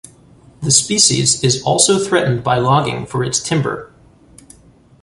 The species is also threatened by logging for its timber.